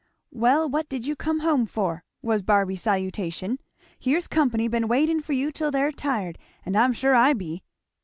"Well what did you come home for?" was Barby's salutation; "here's company been waiting for you till they're tired, and I am sure I be."